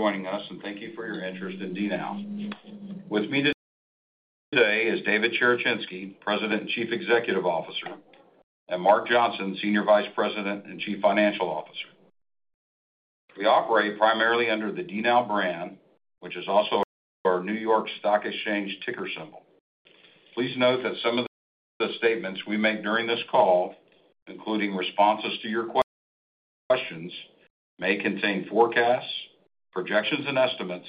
Joining us, and thank you for your interest in DNOW. With me today is David Cherechinsky, President and Chief Executive Officer, and Mark Johnson, Senior Vice President and Chief Financial Officer. We operate primarily under the DNOW brand, which is also our New York Stock Exchange ticker symbol. Please note that some of the statements we make during this call, including responses to your questions, may contain forecasts, projections, and estimates,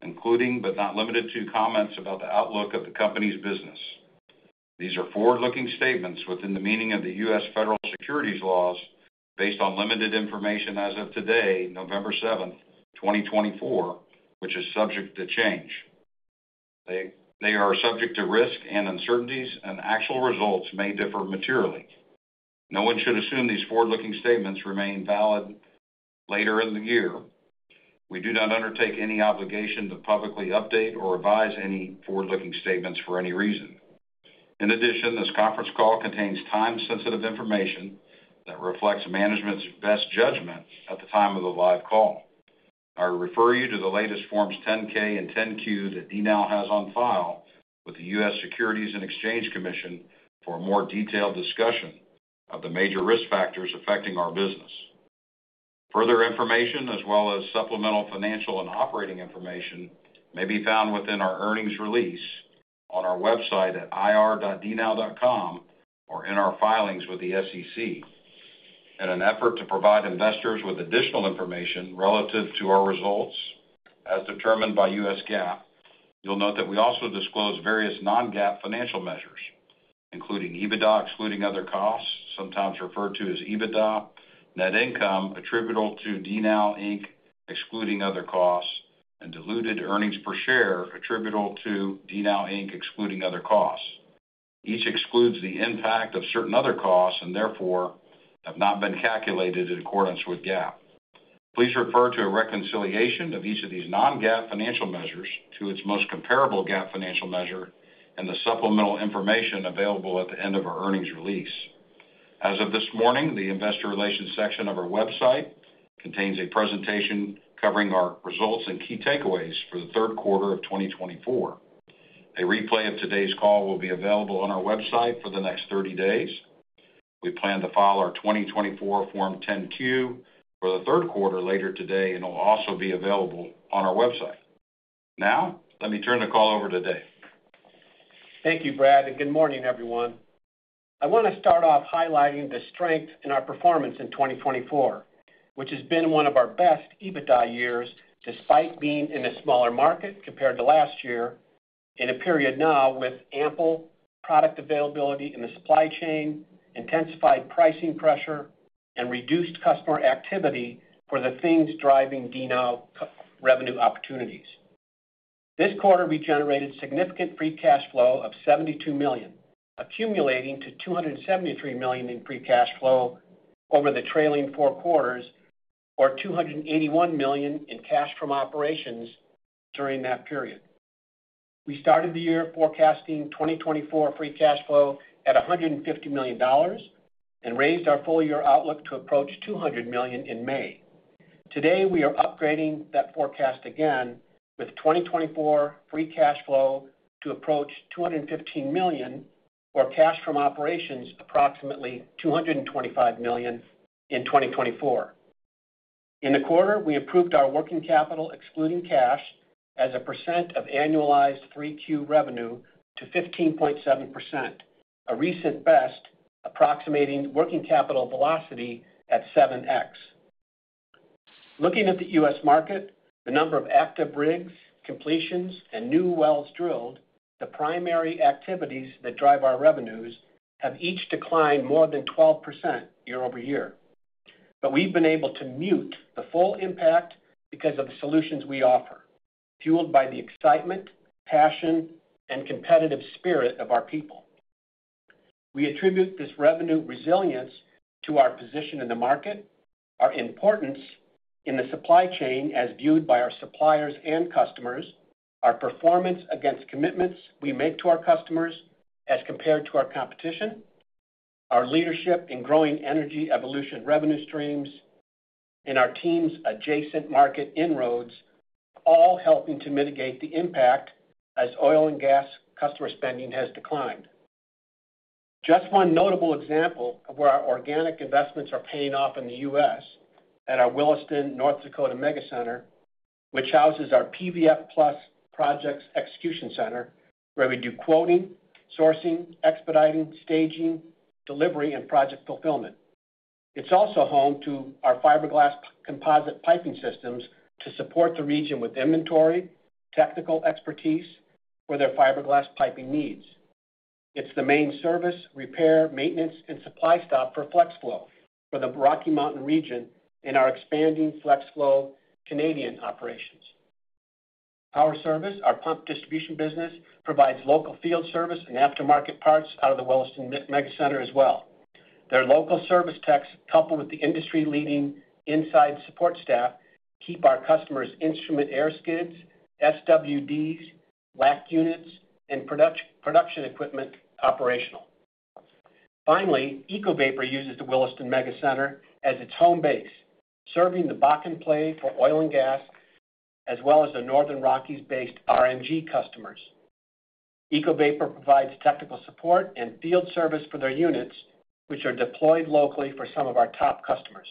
including but not limited to comments about the outlook of the company's business. These are forward-looking statements within the meaning of the U.S. federal securities laws based on limited information as of today, November 7, 2024, which is subject to change. They are subject to risk and uncertainties, and actual results may differ materially. No one should assume these forward-looking statements remain valid later in the year. We do not undertake any obligation to publicly update or revise any forward-looking statements for any reason. In addition, this conference call contains time-sensitive information that reflects management's best judgment at the time of the live call. I refer you to the latest Forms 10-K and 10-Q that DNOW has on file with the U.S. Securities and Exchange Commission for a more detailed discussion of the major risk factors affecting our business. Further information, as well as supplemental financial and operating information, may be found within our earnings release on our website at ir.dnow.com or in our filings with the SEC. In an effort to provide investors with additional information relative to our results, as determined by U.S. GAAP, you'll note that we also disclose various non-GAAP financial measures, including EBITDA excluding other costs, sometimes referred to as EBITDA, net income attributable to DNOW Inc excluding other costs, and diluted earnings per share attributable to DNOW Inc excluding other costs. Each excludes the impact of certain other costs and therefore have not been calculated in accordance with GAAP. Please refer to a reconciliation of each of these non-GAAP financial measures to its most comparable GAAP financial measure and the supplemental information available at the end of our earnings release. As of this morning, the investor relations section of our website contains a presentation covering our results and key takeaways for the third quarter of 2024. A replay of today's call will be available on our website for the next 30 days. We plan to file our 2024 Form 10-Q for the third quarter later today and will also be available on our website. Now, let me turn the call over to David. Thank you, Brad, and good morning, everyone. I want to start off highlighting the strength in our performance in 2024, which has been one of our best EBITDA years despite being in a smaller market compared to last year in a period now with ample product availability in the supply chain, intensified pricing pressure, and reduced customer activity for the things driving DNOW revenue opportunities. This quarter, we generated significant free cash flow of $72 million, accumulating to $273 million in free cash flow over the trailing four quarters, or $281 million in cash from operations during that period. We started the year forecasting 2024 free cash flow at $150 million and raised our full-year outlook to approach $200 million in May. Today, we are upgrading that forecast again with 2024 free cash flow to approach $215 million, or cash from operations approximately $225 million in 2024. In the quarter, we improved our working capital excluding cash as a percent of annualized Q3 revenue to 15.7%, a recent best approximating working capital velocity at 7x. Looking at the U.S. market, the number of active rigs, completions, and new wells drilled, the primary activities that drive our revenues have each declined more than 12% year-over-year. But we've been able to mute the full impact because of the solutions we offer, fueled by the excitement, passion, and competitive spirit of our people. We attribute this revenue resilience to our position in the market, our importance in the supply chain as viewed by our suppliers and customers, our performance against commitments we make to our customers as compared to our competition, our leadership in growing Energy Evolution revenue streams, and our team's adjacent market inroads, all helping to mitigate the impact as oil and gas customer spending has declined. Just one notable example of where our organic investments are paying off in the U.S. at our Williston, North Dakota Megacenter, which houses our PVF Plus projects execution center, where we do quoting, sourcing, expediting, staging, delivery, and project fulfillment. It's also home to our fiberglass composite piping systems to support the region with inventory, technical expertise, for their fiberglass piping needs. It's the main service, repair, maintenance, and supply stop for Flex Flow for the Rocky Mountain region and our expanding Flex Flow Canadian operations. Our service, our pump distribution business, provides local field service and aftermarket parts out of the Williston Megacenter as well. Their local service techs, coupled with the industry-leading inside support staff, keep our customers' instrument air skids, SWDs, LACT units, and production equipment operational. Finally, EcoVapor uses the Williston Megacenter as its home base, serving the Bakken play for oil and gas, as well as the Northern Rockies-based RNG customers. EcoVapor provides technical support and field service for their units, which are deployed locally for some of our top customers.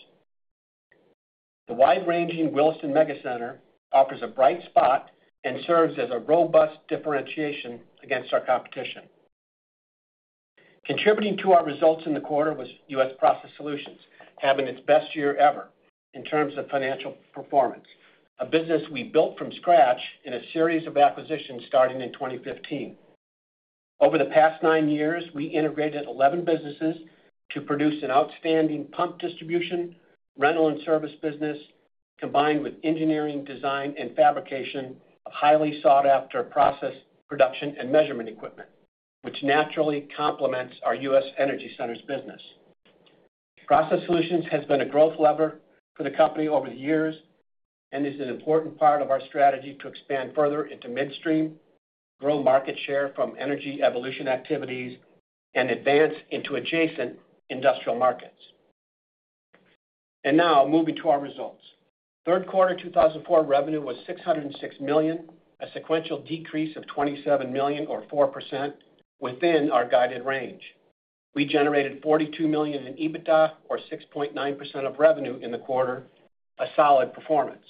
The wide-ranging Williston Megacenter offers a bright spot and serves as a robust differentiation against our competition. Contributing to our results in the quarter was U.S. Process Solutions, having its best year ever in terms of financial performance, a business we built from scratch in a series of acquisitions starting in 2015. Over the past nine years, we integrated 11 businesses to produce an outstanding pump distribution, rental, and service business, combined with engineering, design, and fabrication of highly sought-after process production and measurement equipment, which naturally complements our U.S. Energy Centers business. Process Solutions has been a growth lever for the company over the years and is an important part of our strategy to expand further into midstream, grow market share from energy evolution activities, and advance into adjacent industrial markets, and now, moving to our results. Third quarter 2024 revenue was $606 million, a sequential decrease of $27 million, or 4%, within our guided range. We generated $42 million in EBITDA, or 6.9% of revenue in the quarter, a solid performance.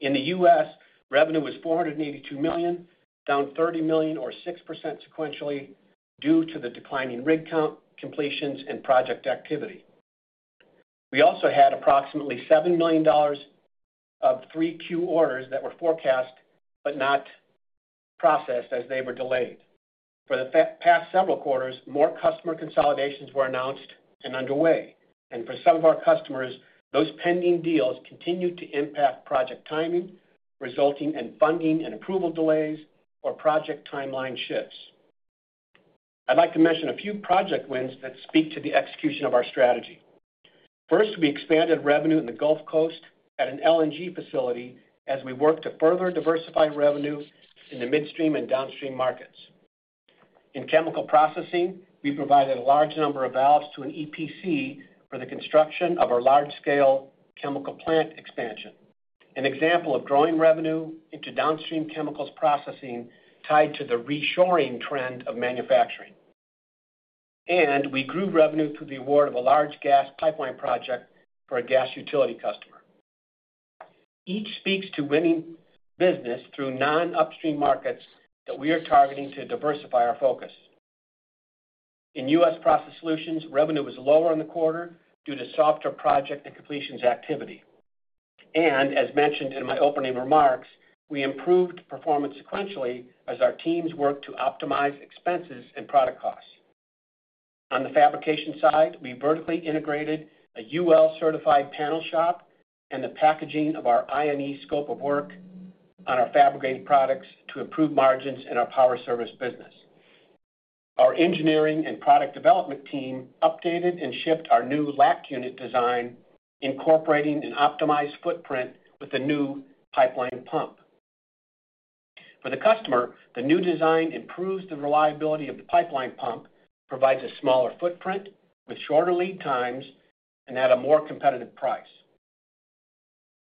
In the U.S., revenue was $482 million, down $30 million, or 6% sequentially, due to the declining rig count, completions, and project activity. We also had approximately $7 million of 3Q orders that were forecast but not processed as they were delayed. For the past several quarters, more customer consolidations were announced and underway. For some of our customers, those pending deals continued to impact project timing, resulting in funding and approval delays or project timeline shifts. I'd like to mention a few project wins that speak to the execution of our strategy. First, we expanded revenue in the Gulf Coast at an LNG facility as we worked to further diversify revenue in the midstream and downstream markets. In chemical processing, we provided a large number of valves to an EPC for the construction of our large-scale chemical plant expansion, an example of growing revenue into downstream chemicals processing tied to the reshoring trend of manufacturing, and we grew revenue through the award of a large gas pipeline project for a gas utility customer. Each speaks to winning business through non-upstream markets that we are targeting to diversify our focus. In U.S. Process Solutions, revenue was lower in the quarter due to softer project and completions activity, and as mentioned in my opening remarks, we improved performance sequentially as our teams worked to optimize expenses and product costs. On the fabrication side, we vertically integrated a UL-certified panel shop and the packaging of our I&E scope of work on our fabricating products to improve margins in our Power Service business. Our engineering and product development team updated and shipped our new LACT unit design, incorporating an optimized footprint with a new pipeline pump. For the customer, the new design improves the reliability of the pipeline pump, provides a smaller footprint with shorter lead times, and at a more competitive price.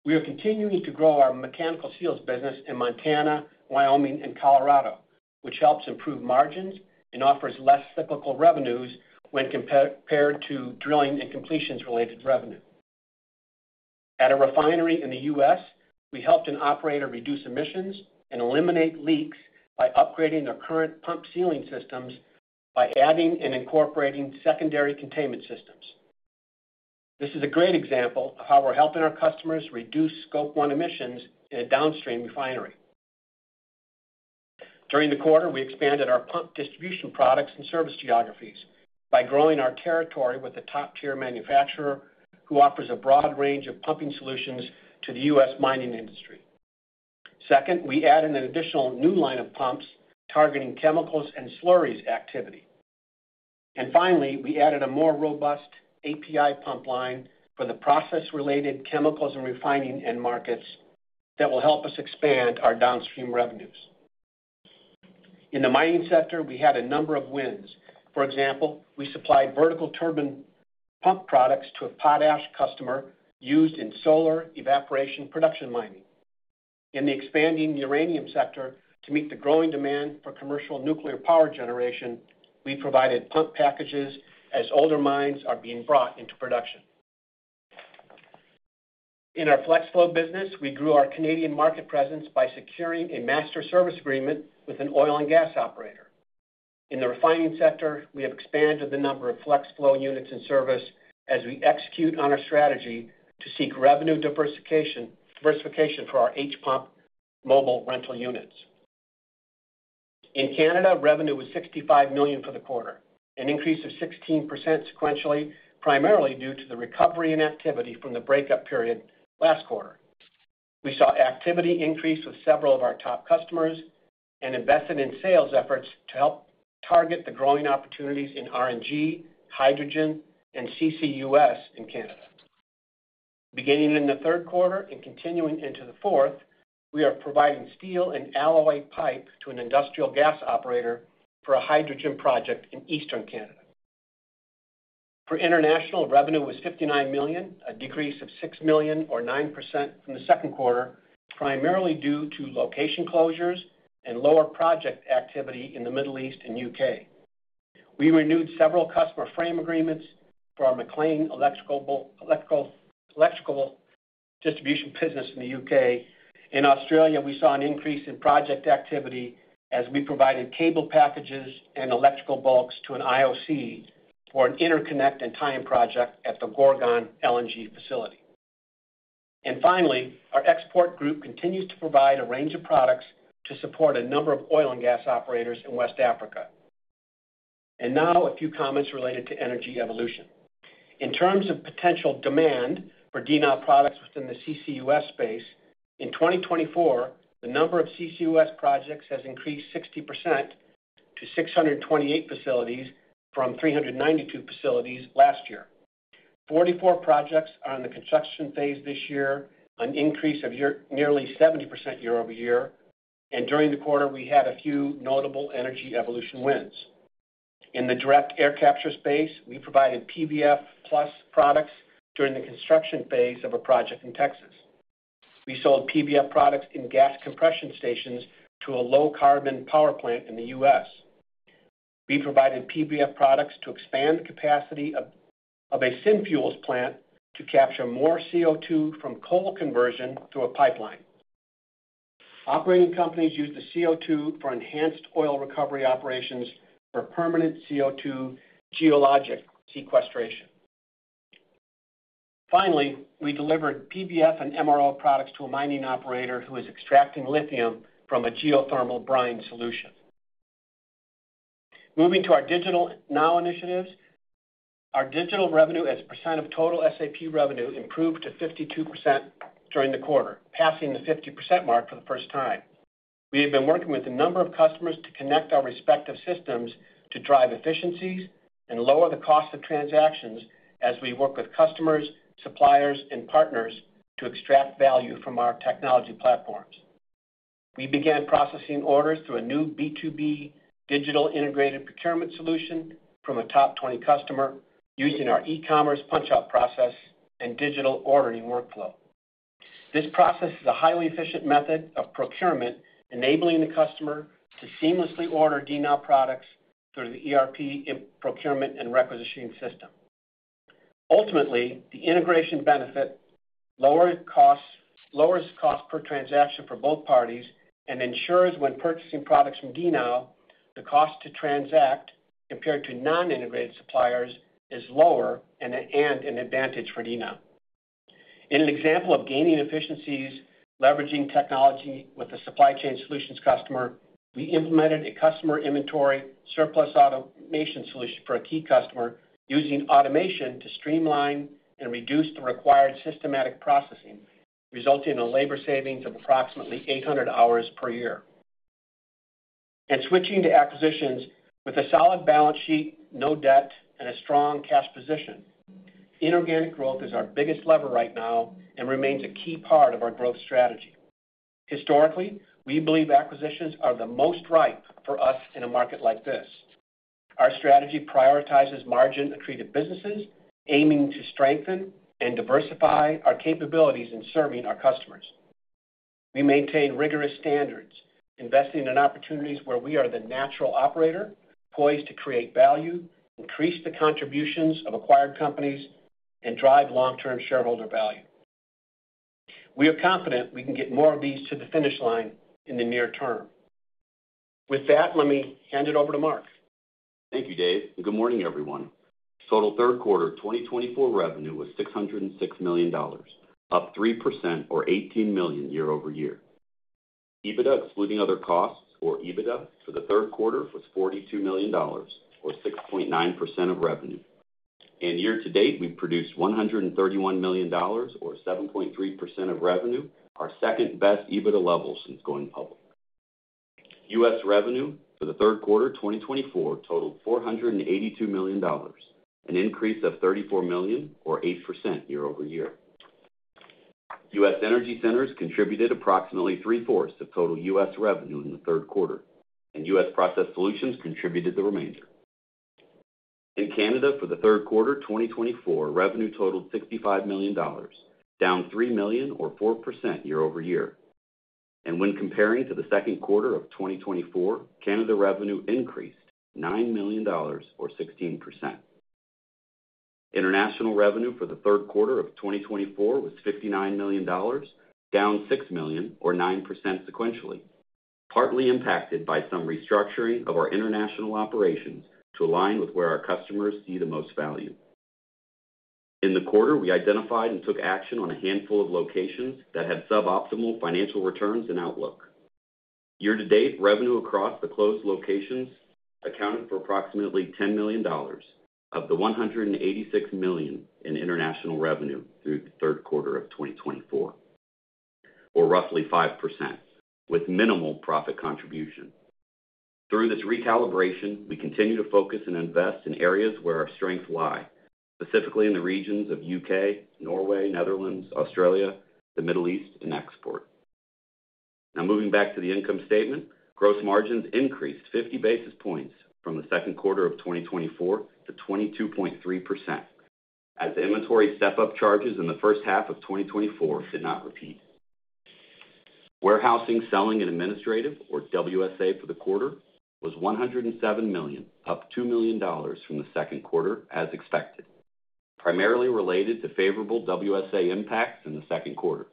We are continuing to grow our mechanical seals business in Montana, Wyoming, and Colorado, which helps improve margins and offers less cyclical revenues when compared to drilling and completions-related revenue. At a refinery in the U.S., we helped an operator reduce emissions and eliminate leaks by upgrading their current pump sealing systems by adding and incorporating secondary containment systems. This is a great example of how we're helping our customers reduce Scope 1 emissions in a downstream refinery. During the quarter, we expanded our pump distribution products and service geographies by growing our territory with a top-tier manufacturer who offers a broad range of pumping solutions to the U.S. mining industry. Second, we added an additional new line of pumps targeting chemicals and slurries activity. And finally, we added a more robust API pump line for the process-related chemicals and refining end markets that will help us expand our downstream revenues. In the mining sector, we had a number of wins. For example, we supplied vertical turbine pump products to a potash customer used in solar evaporation production mining. In the expanding uranium sector, to meet the growing demand for commercial nuclear power generation, we provided pump packages as older mines are being brought into production. In our Flex Flow business, we grew our Canadian market presence by securing a master service agreement with an oil and gas operator. In the refining sector, we have expanded the number of Flex Flow units in service as we execute on our strategy to seek revenue diversification for our H-Pump mobile rental units. In Canada, revenue was $65 million for the quarter, an increase of 16% sequentially, primarily due to the recovery in activity from the breakup period last quarter. We saw activity increase with several of our top customers and invested in sales efforts to help target the growing opportunities in RNG, hydrogen, and CCUS in Canada. Beginning in the third quarter and continuing into the fourth, we are providing steel and alloy pipe to an industrial gas operator for a hydrogen project in Eastern Canada. For international, revenue was $59 million, a decrease of $6 million, or 9%, from the second quarter, primarily due to location closures and lower project activity in the Middle East and U.K. We renewed several customer frame agreements for our MacLean electrical distribution business in the U.K. In Australia, we saw an increase in project activity as we provided cable packages and electrical bulks to an IOC for an interconnect and tie-in project at the Gorgon LNG facility. And finally, our export group continues to provide a range of products to support a number of oil and gas operators in West Africa. And now, a few comments related to energy evolution. In terms of potential demand for DNOW products within the CCUS space, in 2024, the number of CCUS projects has increased 60% to 628 facilities from 392 facilities last year, 44 projects are in the construction phase this year, an increase of nearly 70% year-over-year. And during the quarter, we had a few notable energy evolution wins. In the direct air capture space, we provided PVF Plus products during the construction phase of a project in Texas. We sold PVF products in gas compression stations to a low-carbon power plant in the U.S. We provided PVF products to expand the capacity of a synfuels plant to capture more CO2 from coal conversion through a pipeline. Operating companies used the CO2 for enhanced oil recovery operations for permanent CO2 geologic sequestration. Finally, we delivered PVF and MRO products to a mining operator who is extracting lithium from a geothermal brine solution. Moving to our DigitalNOW initiatives, our digital revenue as a % of total SAP revenue improved to 52% during the quarter, passing the 50% mark for the first time. We have been working with a number of customers to connect our respective systems to drive efficiencies and lower the cost of transactions as we work with customers, suppliers, and partners to extract value from our technology platforms. We began processing orders through a new B2B digital integrated procurement solution from a top 20 customer using our e-commerce punch-out process and digital ordering workflow. This process is a highly efficient method of procurement, enabling the customer to seamlessly order DNOW products through the ERP procurement and requisitioning system. Ultimately, the integration benefit lowers costs per transaction for both parties and ensures when purchasing products from DNOW, the cost to transact compared to non-integrated suppliers is lower and an advantage for DNOW. In an example of gaining efficiencies leveraging technology with a supply chain solutions customer, we implemented a customer inventory surplus automation solution for a key customer using automation to streamline and reduce the required systematic processing, resulting in labor savings of approximately 800 hours per year, and switching to acquisitions with a solid balance sheet, no debt, and a strong cash position. Inorganic growth is our biggest lever right now and remains a key part of our growth strategy. Historically, we believe acquisitions are the most ripe for us in a market like this. Our strategy prioritizes margin-attributed businesses, aiming to strengthen and diversify our capabilities in serving our customers. We maintain rigorous standards, investing in opportunities where we are the natural operator, poised to create value, increase the contributions of acquired companies, and drive long-term shareholder value. We are confident we can get more of these to the finish line in the near term. With that, let me hand it over to Mark. Thank you, Dave. And good morning, everyone. Total third quarter 2024 revenue was $606 million, up 3%, or $18 million year-over-year. EBITDA, excluding other costs or EBITDA for the third quarter, was $42 million, or 6.9% of revenue. And year-to-date, we've produced $131 million, or 7.3% of revenue, our second-best EBITDA level since going public. U.S. revenue for the third quarter 2024 totaled $482 million, an increase of $34 million, or 8% year-over-year. U.S. Energy Centers contributed approximately three-fourths of total U.S. revenue in the third quarter, and U.S. Process Solutions contributed the remainder. In Canada, for the third quarter 2024, revenue totaled $65 million, down $3 million, or 4% year-over-year. When comparing to the second quarter of 2024, Canada revenue increased $9 million, or 16%. International revenue for the third quarter of 2024 was $59 million, down $6 million, or 9% sequentially, partly impacted by some restructuring of our international operations to align with where our customers see the most value. In the quarter, we identified and took action on a handful of locations that had suboptimal financial returns and outlook. Year-to-date, revenue across the closed locations accounted for approximately $10 million of the $186 million in international revenue through the third quarter of 2024, or roughly 5%, with minimal profit contribution. Through this recalibration, we continue to focus and invest in areas where our strengths lie, specifically in the regions of U.K., Norway, Netherlands, Australia, the Middle East, and export. Now, moving back to the income statement, gross margins increased 50 basis points from the second quarter of 2024 to 22.3%, as inventory step-up charges in the first half of 2024 did not repeat. Warehousing, Selling, and Administrative, or WSA for the quarter, was $107 million, up $2 million from the second quarter, as expected, primarily related to favorable WSA impacts in the second quarter.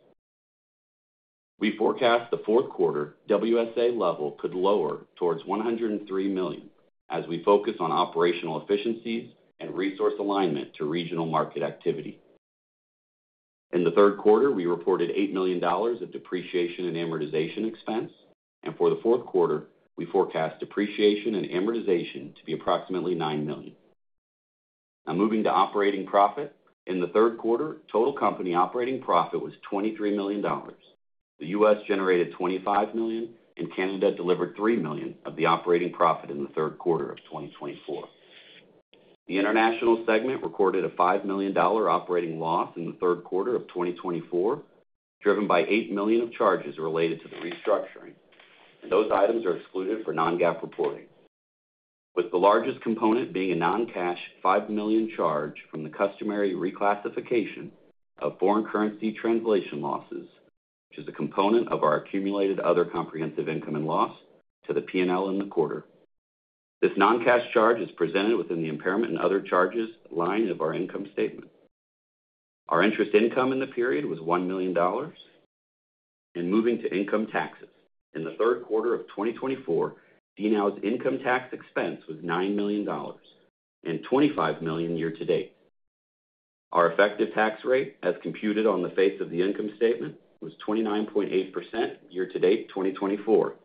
We forecast the fourth quarter WSA level could lower towards $103 million, as we focus on operational efficiencies and resource alignment to regional market activity. In the third quarter, we reported $8 million of depreciation and amortization expense. And for the fourth quarter, we forecast depreciation and amortization to be approximately $9 million. Now, moving to operating profit. In the third quarter, total company operating profit was $23 million. The U.S. Generated $25 million, and Canada delivered $3 million of the operating profit in the third quarter of 2024. The International segment recorded a $5 million operating loss in the third quarter of 2024, driven by $8 million of charges related to the restructuring. Those items are excluded for non-GAAP reporting, with the largest component being a non-cash $5 million charge from the customary reclassification of foreign currency translation losses, which is a component of our accumulated other comprehensive income and loss to the P&L in the quarter. This non-cash charge is presented within the impairment and other charges line of our income statement. Our interest income in the period was $1 million. Moving to income taxes, in the third quarter of 2024, DNOW's income tax expense was $9 million and $25 million year-to-date. Our effective tax rate, as computed on the face of the income statement, was 29.8% year-to-date 2024.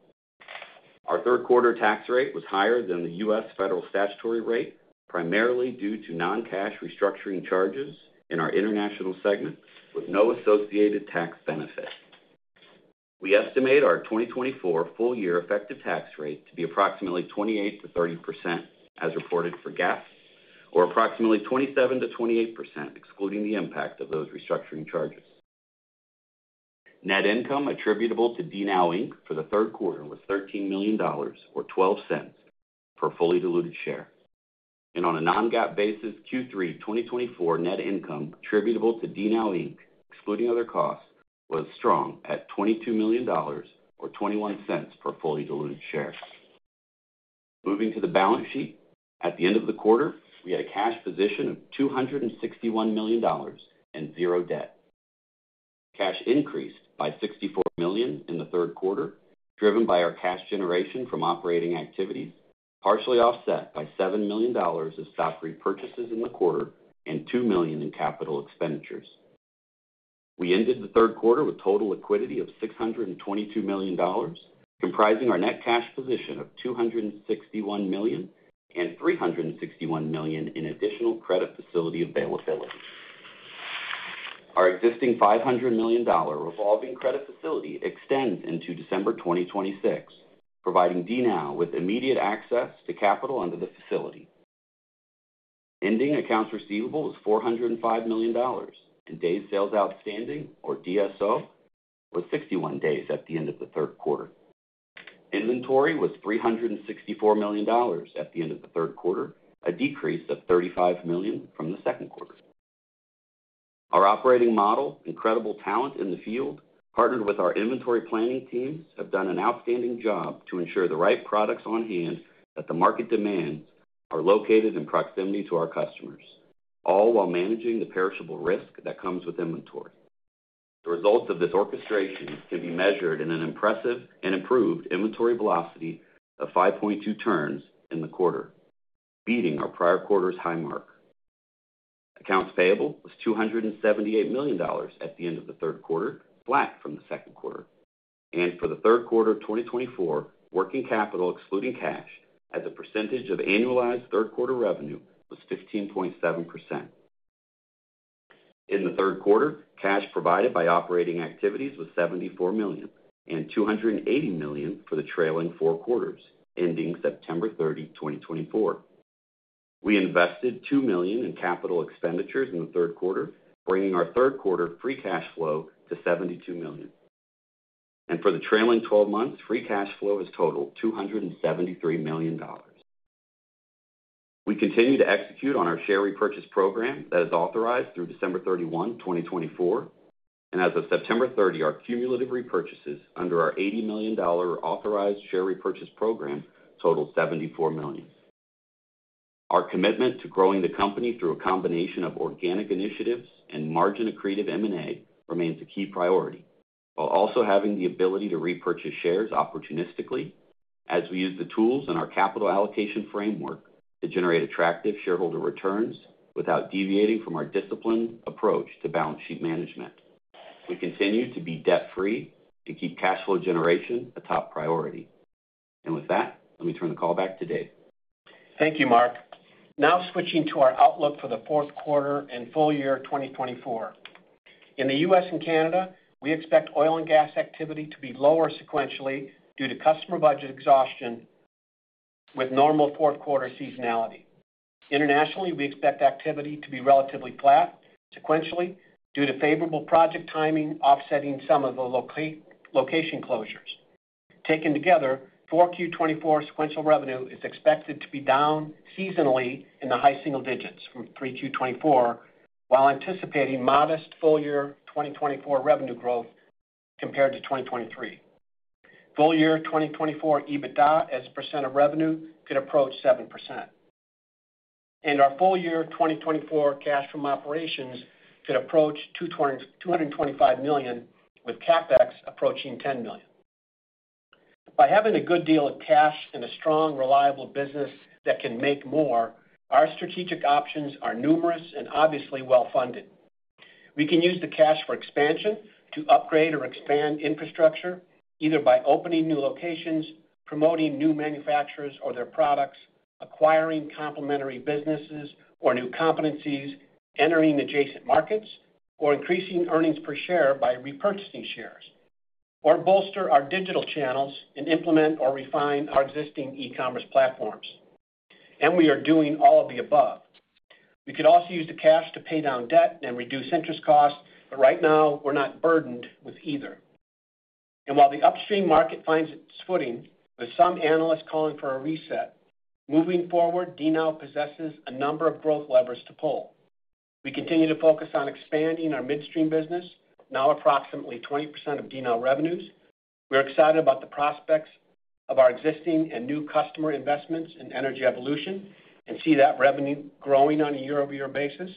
Our third quarter tax rate was higher than the U.S. federal statutory rate, primarily due to non-cash restructuring charges in our international segment, with no associated tax benefit. We estimate our 2024 full-year effective tax rate to be approximately 28%-30%, as reported for GAAP, or approximately 27%-28%, excluding the impact of those restructuring charges. Net income attributable to DNOW Inc for the third quarter was $13 million, or $0.12, per fully diluted share. On a non-GAAP basis, Q3 2024 net income attributable to DNOW Inc, excluding other costs, was strong at $22 million, or $0.21, per fully diluted share. Moving to the balance sheet, at the end of the quarter, we had a cash position of $261 million and zero debt. Cash increased by $64 million in the third quarter, driven by our cash generation from operating activities, partially offset by $7 million of stock repurchases in the quarter and $2 million in capital expenditures. We ended the third quarter with total liquidity of $622 million, comprising our net cash position of $261 million and $361 million in additional credit facility availability. Our existing $500 million revolving credit facility extends into December 2026, providing DNOW with immediate access to capital under the facility. Ending accounts receivable was $405 million, and days sales outstanding, or DSO, was 61 days at the end of the third quarter. Inventory was $364 million at the end of the third quarter, a decrease of $35 million from the second quarter. Our operating model, incredible talent in the field, partnered with our inventory planning teams, have done an outstanding job to ensure the right products on hand that the market demands are located in proximity to our customers, all while managing the perishable risk that comes with inventory. The results of this orchestration can be measured in an impressive and improved inventory velocity of 5.2 turns in the quarter, beating our prior quarter's high mark. Accounts payable was $278 million at the end of the third quarter, flat from the second quarter. And for the third quarter 2024, working capital, excluding cash, as a percentage of annualized third quarter revenue was 15.7%. In the third quarter, cash provided by operating activities was $74 million and $280 million for the trailing four quarters, ending September 30, 2024. We invested $2 million in capital expenditures in the third quarter, bringing our third quarter free cash flow to $72 million, and for the trailing 12 months, free cash flow has totaled $273 million. We continue to execute on our share repurchase program that is authorized through December 31, 2024, and as of September 30, our cumulative repurchases under our $80 million authorized share repurchase program totaled $74 million. Our commitment to growing the company through a combination of organic initiatives and margin-accretive M&A remains a key priority, while also having the ability to repurchase shares opportunistically, as we use the tools in our capital allocation framework to generate attractive shareholder returns without deviating from our disciplined approach to balance sheet management. We continue to be debt-free and keep cash flow generation a top priority, and with that, let me turn the call back to Dave. Thank you, Mark. Now switching to our outlook for the fourth quarter and full year 2024. In the U.S. and Canada, we expect oil and gas activity to be lower sequentially due to customer budget exhaustion, with normal fourth quarter seasonality. Internationally, we expect activity to be relatively flat sequentially due to favorable project timing offsetting some of the location closures. Taken together, 4Q24 sequential revenue is expected to be down seasonally in the high single digits from 3Q 2024, while anticipating modest full year 2024 revenue growth compared to 2023. Full year 2024 EBITDA, as a percent of revenue, could approach 7%. And our full year 2024 cash from operations could approach $225 million, with CapEx approaching $10 million. By having a good deal of cash and a strong, reliable business that can make more, our strategic options are numerous and obviously well-funded. We can use the cash for expansion to upgrade or expand infrastructure, either by opening new locations, promoting new manufacturers or their products, acquiring complementary businesses or new competencies, entering adjacent markets, or increasing earnings per share by repurchasing shares, or bolster our digital channels and implement or refine our existing e-commerce platforms, and we are doing all of the above. We could also use the cash to pay down debt and reduce interest costs, but right now, we're not burdened with either, and while the upstream market finds its footing, with some analysts calling for a reset, moving forward, DNOW possesses a number of growth levers to pull. We continue to focus on expanding our midstream business, now approximately 20% of DNOW revenues. We're excited about the prospects of our existing and new customer investments in energy evolution and see that revenue growing on a year-over-year basis.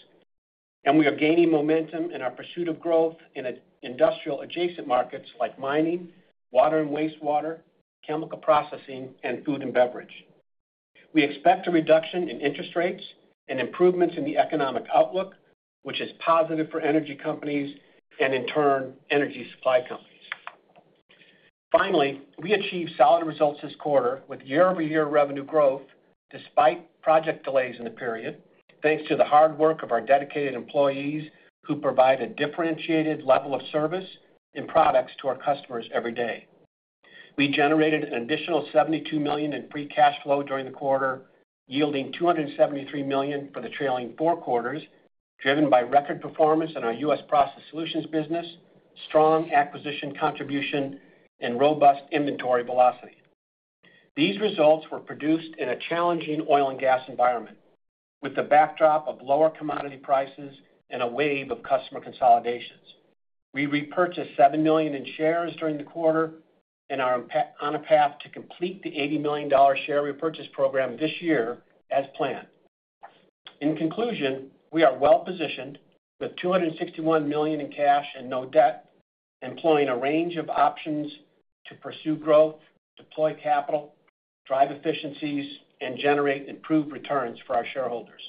We are gaining momentum in our pursuit of growth in industrial-adjacent markets like mining, water and wastewater, chemical processing, and food and beverage. We expect a reduction in interest rates and improvements in the economic outlook, which is positive for energy companies and, in turn, energy supply companies. Finally, we achieved solid results this quarter with year-over-year revenue growth despite project delays in the period, thanks to the hard work of our dedicated employees who provide a differentiated level of service and products to our customers every day. We generated an additional $72 million in free cash flow during the quarter, yielding $273 million for the trailing four quarters, driven by record performance in our U.S. Process Solutions business, strong acquisition contribution, and robust inventory velocity. These results were produced in a challenging oil and gas environment, with the backdrop of lower commodity prices and a wave of customer consolidations. We repurchased $7 million in shares during the quarter and are on a path to complete the $80 million share repurchase program this year as planned. In conclusion, we are well-positioned with $261 million in cash and no debt, employing a range of options to pursue growth, deploy capital, drive efficiencies, and generate improved returns for our shareholders.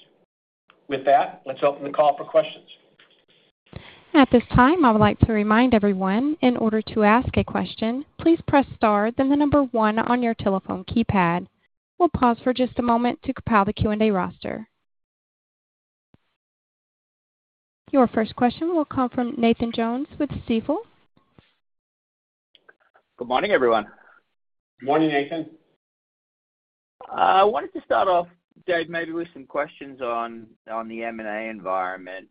With that, let's open the call for questions. At this time, I would like to remind everyone, in order to ask a question, please press star then the number one on your telephone keypad. We'll pause for just a moment to compile the Q&A roster. Your first question will come from Nathan Jones with Stifel. Good morning, everyone. Good morning, Nathan. I wanted to start off, Dave, maybe with some questions on the M&A environment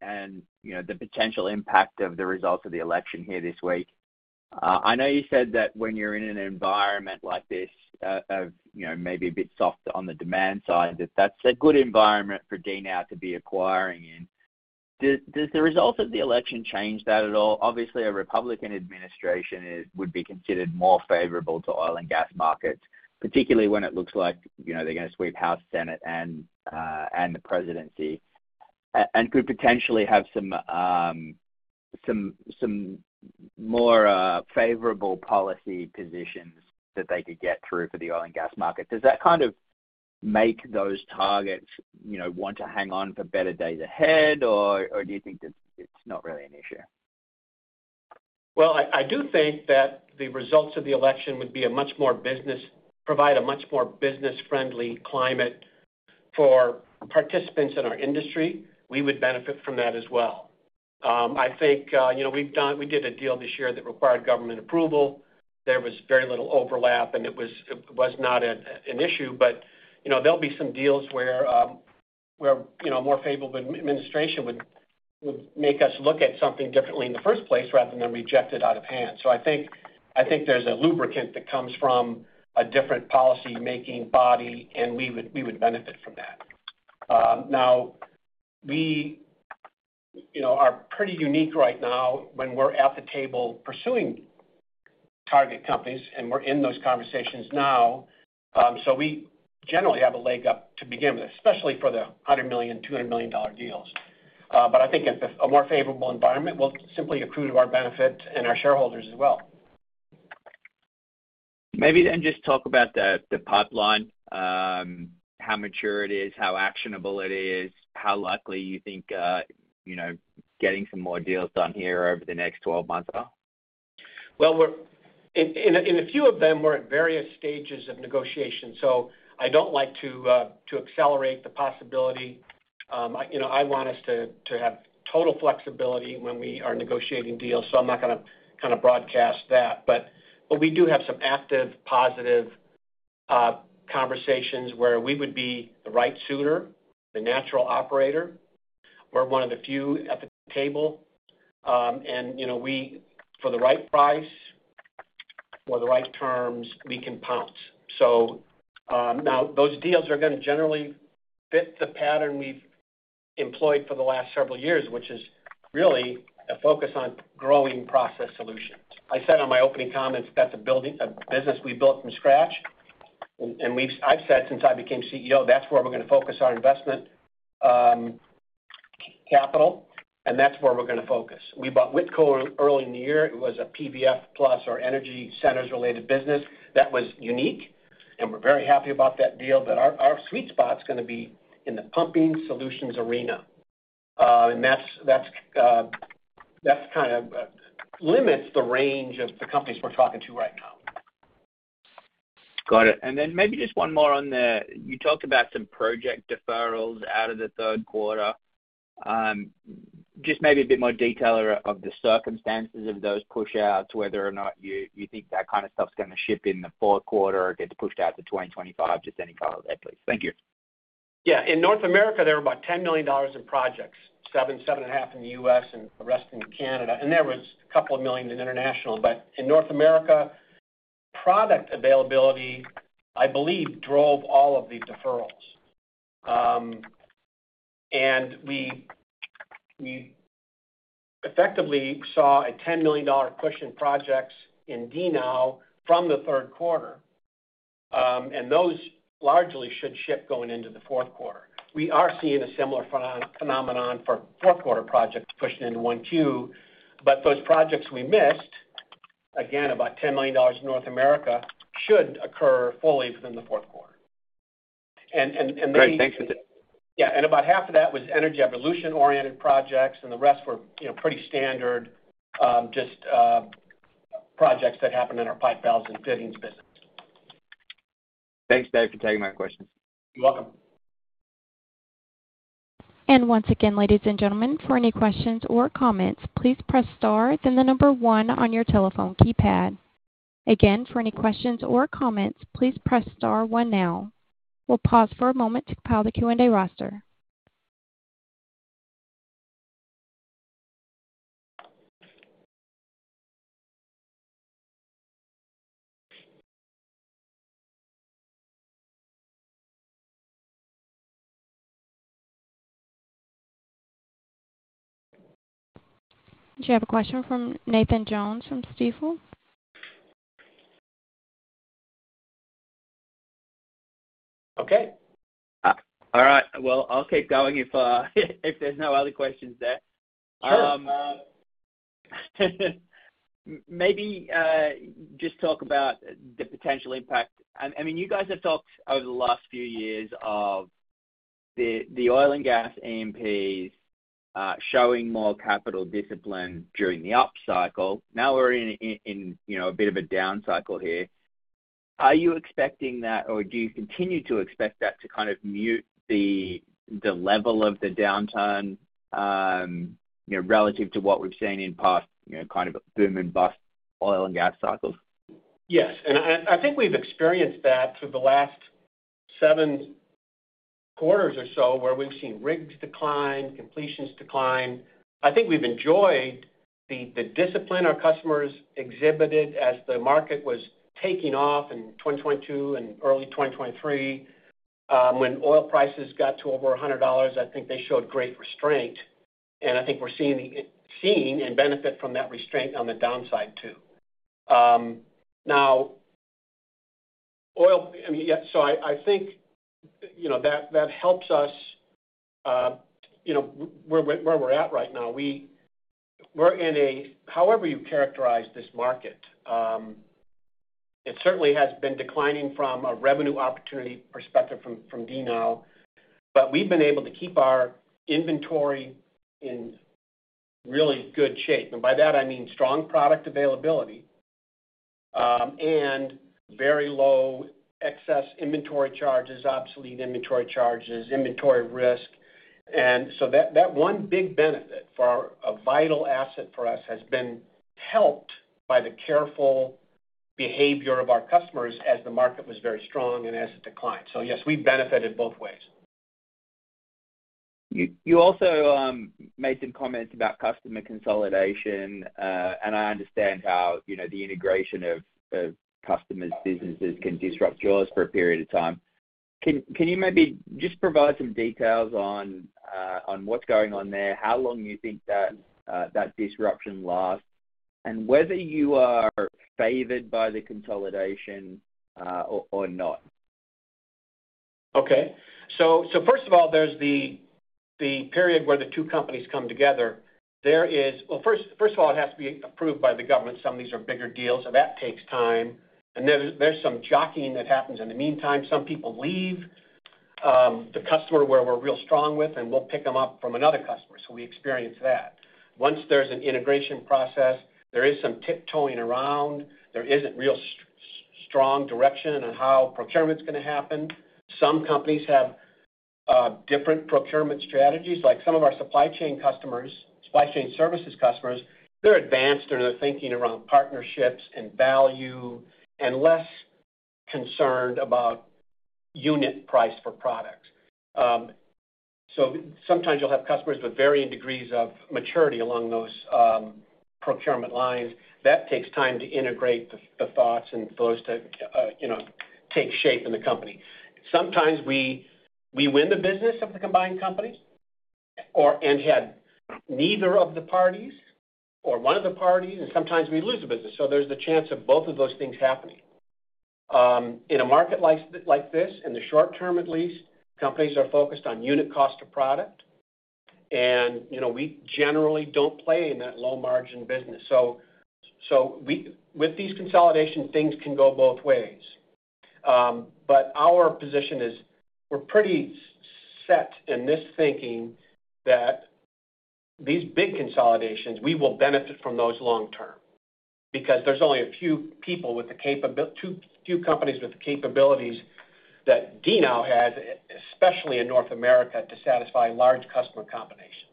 and the potential impact of the results of the election here this week. I know you said that when you're in an environment like this of maybe a bit soft on the demand side, that that's a good environment for DNOW to be acquiring in. Does the result of the election change that at all? Obviously, a Republican administration would be considered more favorable to oil and gas markets, particularly when it looks like they're going to sweep House Senate and the presidency and could potentially have some more favorable policy positions that they could get through for the oil and gas market. Does that kind of make those targets want to hang on for better days ahead, or do you think it's not really an issue? I do think that the results of the election would provide a much more business-friendly climate for participants in our industry. We would benefit from that as well. I think we did a deal this year that required government approval. There was very little overlap, and it was not an issue. But there'll be some deals where a more favorable administration would make us look at something differently in the first place rather than reject it out of hand. So I think there's a lubricant that comes from a different policymaking body, and we would benefit from that. Now, we are pretty unique right now when we're at the table pursuing target companies, and we're in those conversations now. So we generally have a leg up to begin with, especially for the $100 million, $200 million deals. But I think a more favorable environment will simply accrue to our benefit and our shareholders as well. Maybe then just talk about the pipeline, how mature it is, how actionable it is, how likely you think getting some more deals done here over the next 12 months are? Well, in a few of them, we're at various stages of negotiation. So I don't like to accelerate the possibility. I want us to have total flexibility when we are negotiating deals, so I'm not going to kind of broadcast that. But we do have some active, positive conversations where we would be the right suitor, the natural operator. We're one of the few at the table. And for the right price, for the right terms, we can pounce. So now, those deals are going to generally fit the pattern we've employed for the last several years, which is really a focus on growing Process Solutions. I said in my opening comments that's a business we built from scratch. And I've said since I became CEO, that's where we're going to focus our investment capital, and that's where we're going to focus. We bought Whitco early in the year. It was a PVF Plus, our energy centers-related business. That was unique, and we're very happy about that deal. But our sweet spot's going to be in the pumping solutions arena. And that kind of limits the range of the companies we're talking to right now. Got it. And then maybe just one more on the you talked about some project deferrals out of the third quarter. Just maybe a bit more detail of the circumstances of those push-outs, whether or not you think that kind of stuff's going to ship in the fourth quarter or get pushed out to 2025. Just any color there, please. Thank you. Yeah. In North America, there were about $10 million in projects, seven, seven and a half in the U.S. and the rest in Canada. And there was a couple of million in international. But in North America, product availability, I believe, drove all of the deferrals. And we effectively saw a $10 million push in projects in DNOW from the third quarter. And those largely should ship going into the fourth quarter. We are seeing a similar phenomenon for fourth-quarter projects pushing into 1Q. But those projects we missed, again, about $10 million in North America, should occur fully within the fourth quarter. And they. Great. Thanks for that. Yeah, and about half of that was energy evolution-oriented projects, and the rest were pretty standard, just projects that happened in our pipe valves and fittings business. Thanks, Dave, for taking my questions. Yeah. And once again, ladies and gentlemen, for any questions or comments, please press star then the number one on your telephone keypad. Again, for any questions or comments, please press star one now. We'll pause for a moment to compile the Q&A roster. You have a question from Nathan Jones from Stifel. Okay. All right. Well, I'll keep going if there's no other questions there. Maybe just talk about the potential impact. I mean, you guys have talked over the last few years of the oil and gas E&Ps showing more capital discipline during the upcycle. Now we're in a bit of a downcycle here. Are you expecting that, or do you continue to expect that to kind of mute the level of the downturn relative to what we've seen in past kind of boom and bust oil and gas cycles? Yes. And I think we've experienced that through the last seven quarters or so where we've seen rigs decline, completions decline. I think we've enjoyed the discipline our customers exhibited as the market was taking off in 2022 and early 2023. When oil prices got to over $100, I think they showed great restraint. And I think we're seeing and benefit from that restraint on the downside too. Now, oil, I mean, so I think that helps us where we're at right now. However you characterize this market, it certainly has been declining from a revenue opportunity perspective from DNOW. But we've been able to keep our inventory in really good shape. And by that, I mean strong product availability and very low excess inventory charges, obsolete inventory charges, inventory risk. And so that one big benefit for a vital asset for us has been helped by the careful behavior of our customers as the market was very strong and as it declined. So yes, we've benefited both ways. You also made some comments about customer consolidation. And I understand how the integration of customers' businesses can disrupt yours for a period of time. Can you maybe just provide some details on what's going on there, how long you think that disruption lasts, and whether you are favored by the consolidation or not? Okay. So first of all, there's the period where the two companies come together. Well, first of all, it has to be approved by the government. Some of these are bigger deals, and that takes time and there's some jockeying that happens in the meantime. Some people leave the customer where we're real strong with, and we'll pick them up from another customer. So we experience that. Once there's an integration process, there is some tiptoeing around. There isn't real strong direction on how procurement's going to happen. Some companies have different procurement strategies. Like some of our supply chain customers, supply chain services customers, they're advanced in their thinking around partnerships and value and less concerned about unit price for products. So sometimes you'll have customers with varying degrees of maturity along those procurement lines. That takes time to integrate the thoughts and for those to take shape in the company. Sometimes we win the business of the combined companies and had neither of the parties or one of the parties, and sometimes we lose the business. There's the chance of both of those things happening. In a market like this, in the short term at least, companies are focused on unit cost of product. We generally don't play in that low-margin business. With these consolidations, things can go both ways. Our position is we're pretty set in this thinking that these big consolidations, we will benefit from those long-term because there's only a few companies with the capabilities that DNOW has, especially in North America, to satisfy large customer combinations.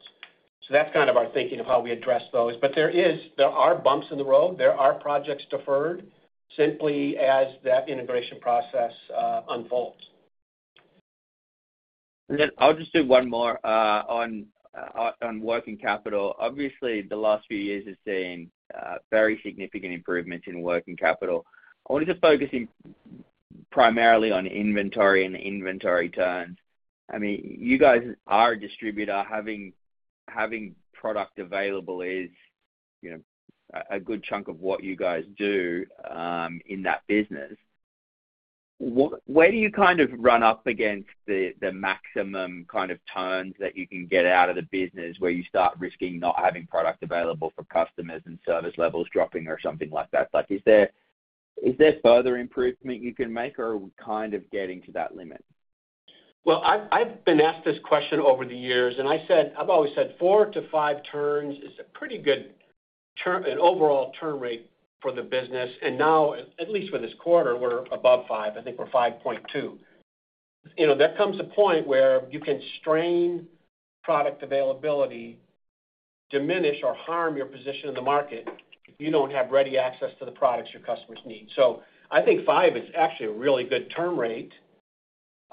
That's kind of our thinking of how we address those. There are bumps in the road. There are projects deferred simply as that integration process unfolds. Then I'll just do one more on working capital. Obviously, the last few years have seen very significant improvements in working capital. I wanted to focus primarily on inventory and inventory terms. I mean, you guys are a distributor. Having product available is a good chunk of what you guys do in that business. Where do you kind of run up against the maximum kind of turns that you can get out of the business where you start risking not having product available for customers and service levels dropping or something like that? Is there further improvement you can make, or are we kind of getting to that limit? Well, I've been asked this question over the years. And I've always said four to five turns is a pretty good overall turn rate for the business. And now, at least for this quarter, we're above five. I think we're 5.2. There comes a point where you can strain product availability, diminish, or harm your position in the market if you don't have ready access to the products your customers need. I think five is actually a really good turn rate.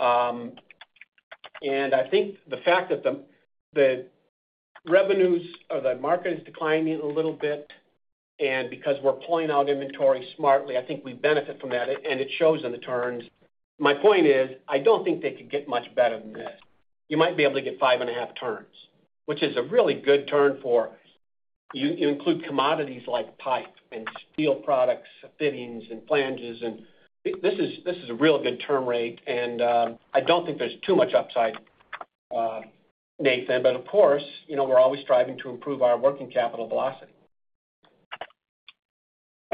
And I think the fact that the revenues or the market is declining a little bit and because we're pulling out inventory smartly, I think we benefit from that. And it shows in the turns. My point is I don't think they could get much better than this. You might be able to get five and a half turns, which is a really good turn rate for including commodities like pipe and steel products, fittings, and flanges. And this is a real good turn rate. And I don't think there's too much upside, Nathan. But of course, we're always striving to improve our working capital velocity.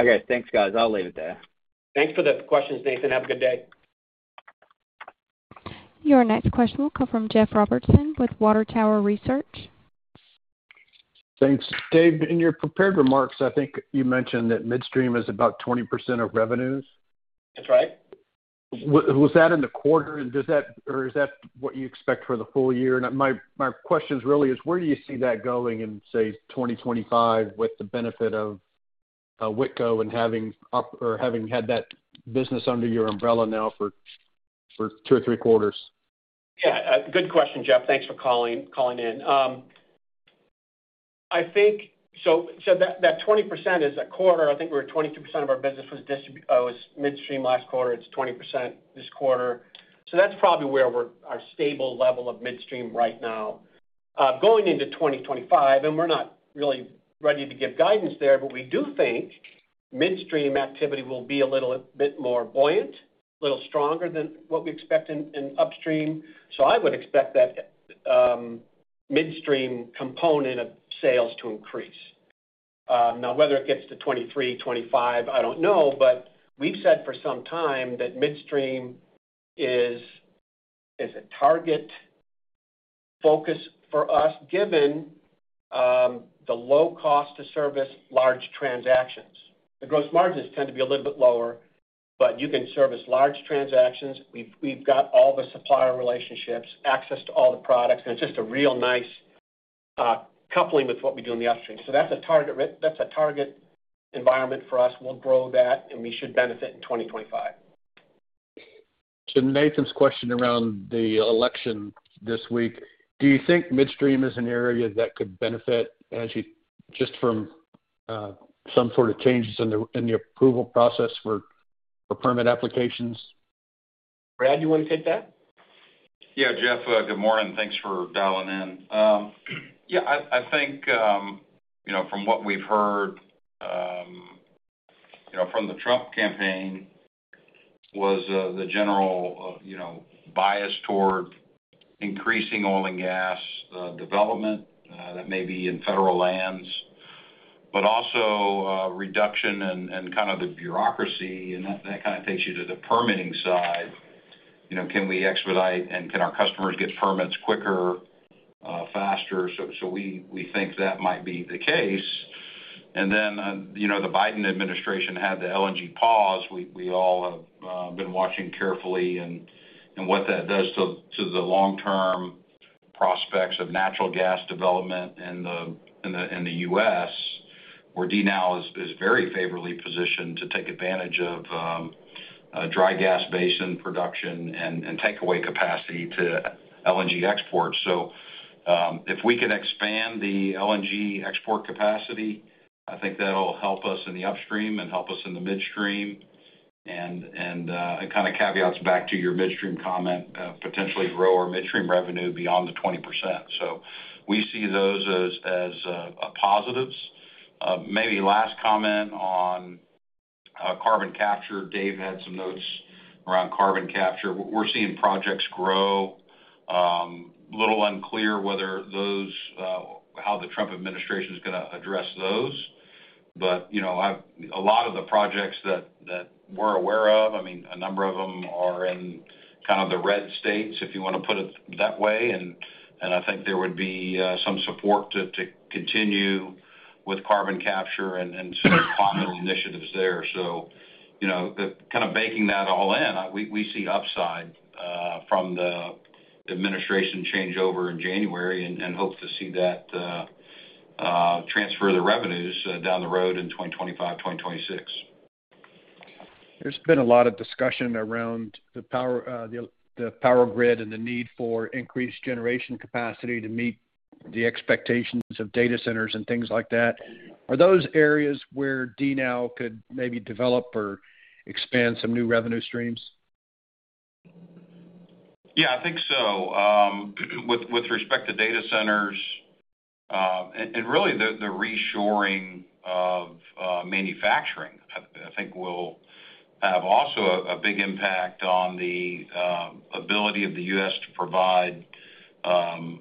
Okay. Thanks, guys. I'll leave it there. Thanks for the questions, Nathan. Have a good day. Your next question will come from Jeff Robertson with Water Tower Research. Thanks. Dave, in your prepared remarks, I think you mentioned that midstream is about 20% of revenues. That's right. Was that in the quarter, or is that what you expect for the full year? And my question really is, where do you see that going in, say, 2025 with the benefit of Whitco and having had that business under your umbrella now for two or three quarters? Yeah. Good question, Jeff. Thanks for calling in. So that 20% is a quarter. I think we were 22% of our business was midstream last quarter. It's 20% this quarter. So that's probably where we're at our stable level of midstream right now. Going into 2025, and we're not really ready to give guidance there, but we do think midstream activity will be a little bit more buoyant, a little stronger than what we expect in upstream. So I would expect that midstream component of sales to increase. Now, whether it gets to 23%, 25%, I don't know. But we've said for some time that midstream is a target focus for us given the low cost to service large transactions. The gross margins tend to be a little bit lower, but you can service large transactions. We've got all the supplier relationships, access to all the products. And it's just a real nice coupling with what we do in the upstream. So that's a target environment for us. We'll grow that, and we should benefit in 2025. To Nathan's question around the election this week, do you think midstream is an area that could benefit just from some sort of changes in the approval process for permit applications? Brad, you want to take that? Yeah. Jeff, good morning. Thanks for dialing in. Yeah. I think from what we've heard from the Trump campaign was the general bias toward increasing oil and gas development that may be in federal lands, but also reduction in kind of the bureaucracy, and that kind of takes you to the permitting side. Can we expedite, and can our customers get permits quicker, faster? We think that might be the case, and then the Biden administration had the LNG pause. We all have been watching carefully what that does to the long-term prospects of natural gas development in the U.S. where DNOW is very favorably positioned to take advantage of dry gas basin production and takeaway capacity to LNG exports. If we can expand the LNG export capacity, I think that'll help us in the upstream and help us in the midstream. It kind of ties back to your midstream comment, potentially grow our midstream revenue beyond the 20%. So we see those as positives. Maybe last comment on carbon capture. Dave had some notes around carbon capture. We are seeing projects grow. A little unclear how the Trump administration is going to address those. But a lot of the projects that we are aware of, I mean, a number of them are in kind of the red states, if you want to put it that way. And I think there would be some support to continue with carbon capture and some of the climate initiatives there. So kind of baking that all in, we see upside from the administration changeover in January and hope to see that transfer the revenues down the road in 2025, 2026. There's been a lot of discussion around the power grid and the need for increased generation capacity to meet the expectations of data centers and things like that. Are those areas where DNOW could maybe develop or expand some new revenue streams? Yeah, I think so. With respect to data centers and really the reshoring of manufacturing, I think will have also a big impact on the ability of the U.S. to provide, I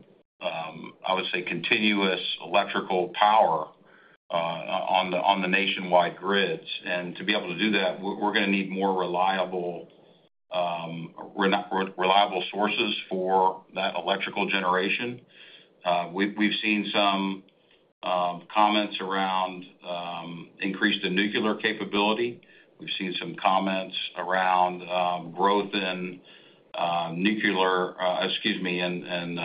would say, continuous electrical power on the nationwide grids. And to be able to do that, we're going to need more reliable sources for that electrical generation. We've seen some comments around increased nuclear capability. We've seen some comments around growth in nuclear, excuse me, in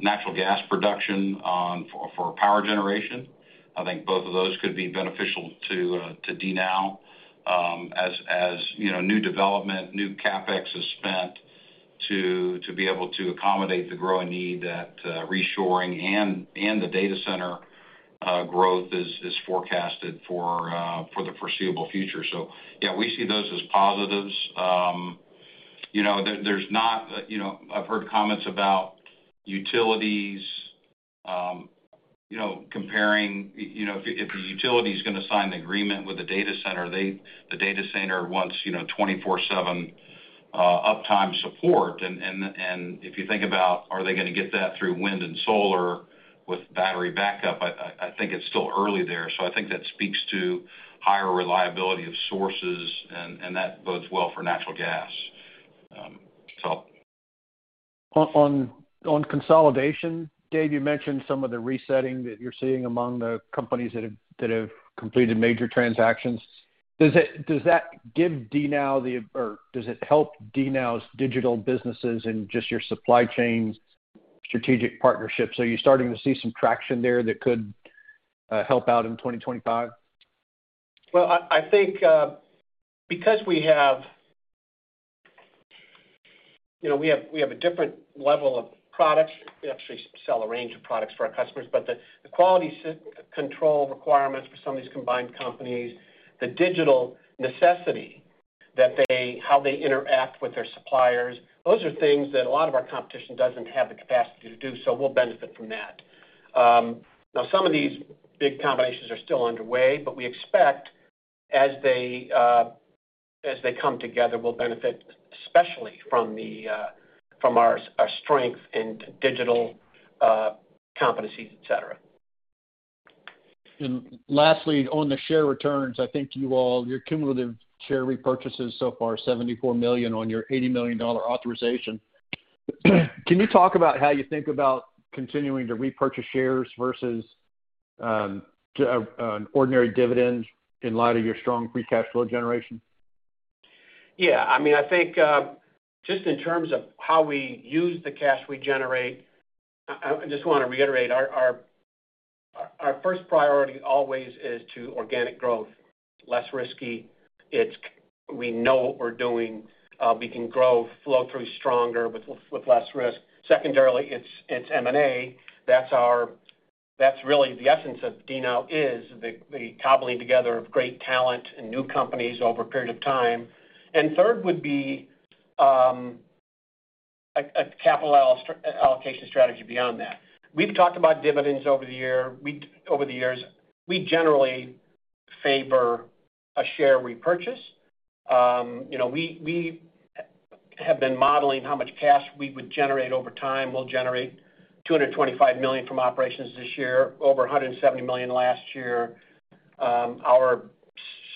natural gas production for power generation. I think both of those could be beneficial to DNOW as new development, new CapEx is spent to be able to accommodate the growing need that reshoring and the data center growth is forecasted for the foreseeable future. So yeah, we see those as positives. There's not. I've heard comments about utilities comparing. If the utility is going to sign the agreement with the data center, the data center wants 24/7 uptime support. And if you think about, are they going to get that through wind and solar with battery backup, I think it's still early there. So I think that speaks to higher reliability of sources, and that bodes well for natural gas. On consolidation, Dave, you mentioned some of the resetting that you're seeing among the companies that have completed major transactions. Does that give DNOW the or does it help DNOW's digital businesses and just your supply chain strategic partnerships? Are you starting to see some traction there that could help out in 2025? I think because we have a different level of products. We actually sell a range of products for our customers. But the quality control requirements for some of these combined companies, the digital necessity that they how they interact with their suppliers, those are things that a lot of our competition doesn't have the capacity to do. So we'll benefit from that. Now, some of these big combinations are still underway, but we expect as they come together, we'll benefit especially from our strength in digital competencies, etc. And lastly, on the share returns, I think your cumulative share repurchases so far, $74 million on your $80 million authorization. Can you talk about how you think about continuing to repurchase shares versus an ordinary dividend in light of your strong free cash flow generation? Yeah. I mean, I think just in terms of how we use the cash we generate, I just want to reiterate our first priority always is to organic growth. It's less risky. We know what we're doing. We can grow flow-through stronger with less risk. Secondarily, it's M&A. That's really the essence of DNOW, is the cobbling together of great talent and new companies over a period of time. And third would be a capital allocation strategy beyond that. We've talked about dividends over the years. We generally favor a share repurchase. We have been modeling how much cash we would generate over time. We'll generate $225 million from operations this year, over $170 million last year. Our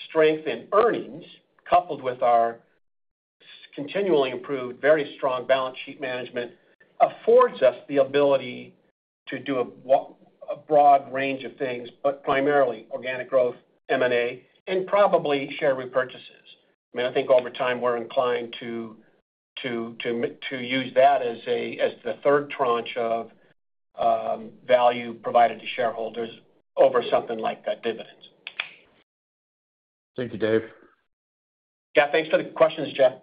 strength in earnings, coupled with our continually improved, very strong balance sheet management, affords us the ability to do a broad range of things, but primarily organic growth, M&A, and probably share repurchases. I mean, I think over time we're inclined to use that as the third tranche of value provided to shareholders over something like that dividend. Thank you, Dave. Yeah. Thanks for the questions, Jeff.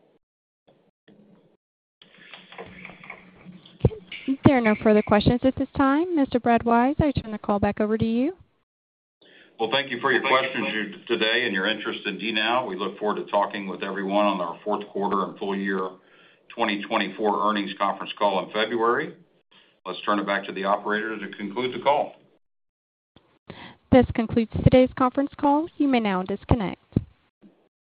Okay. There are no further questions at this time. Mr. Brad Wise, I turn the call back over to you. Well, thank you for your questions today and your interest in DNOW. We look forward to talking with everyone on our fourth quarter and full year 2024 earnings conference call in February. Let's turn it back to the operators to conclude the call. This concludes today's conference call. You may now disconnect.